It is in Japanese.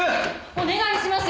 お願いします。